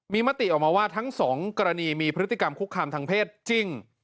มีมติออกมาว่าทั้งสองกรณีมีพฤติกรรมคุกคามทางเพศจริง